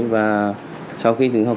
và sau khi tử học